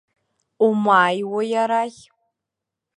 Умааиуеи арахь.